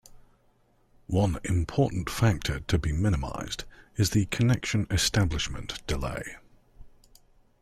One important factor to be minimized is the connection establishment delay.